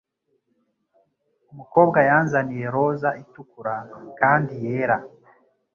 Umukobwa yanzaniye roza itukura kandi yera.